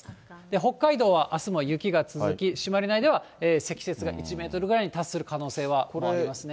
北海道はあすの雪が続き、朱鞠内では、積雪が１メートルぐらいに達する可能性はありますね。